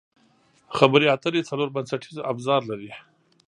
خبرې اترې څلور بنسټیز ابزار لري.